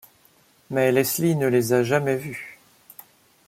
Mais Leslie ne les a jamais vus.